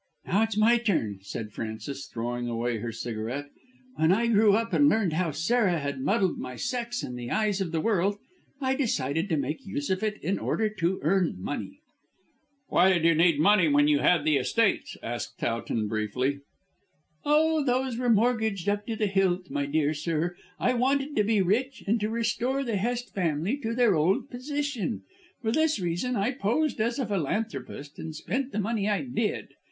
"Now it's my turn," said Frances, throwing away her cigarette. "When I grew up and learned how Sarah had muddled my sex in the eyes of the world I decided to make use of it in order to earn money." "Why did you need money when you had the estates?" asked Towton briefly. "Oh, those were mortgaged up to the hilt, my dear sir. I wanted to be rich and to restore the Hest family to their old position For this reason I posed as a philanthropist and spent the money I did.